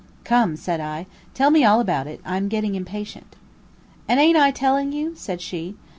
"Come," said I, "tell me all about it; I'm getting impatient." "And ain't I telling you?" said she.